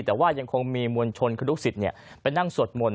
แต่ว่ายังคงมีมวลชนคือลูกศิษย์ไปนั่งสวดมนต